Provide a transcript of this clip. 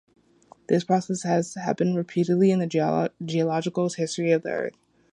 This process has happened repeatedly in the geological history of the Earth.